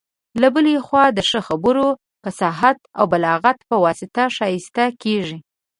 له بلي خوا د ښه خبرو، فصاحت او بلاغت په واسطه ښايسته کيږي.